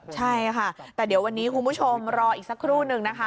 ใช่ค่ะแต่เดี๋ยววันนี้คุณผู้ชมรออีกสักครู่นึงนะคะ